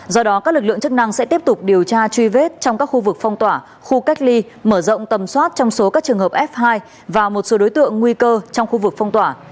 do đó các lực lượng chức năng sẽ tiếp tục điều tra truy vết trong các khu vực phong tỏa khu cách ly mở rộng tầm soát trong số các trường hợp f hai và một số đối tượng nguy cơ trong khu vực phong tỏa